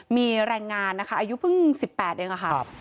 มีแรงงานอายุพึ่ง๑๘เฉยนะครับ